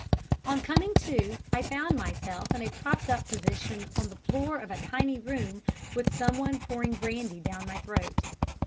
On coming to I found myself in a propped up position on the floor of a tiny room with someone pouring brandy down my throat.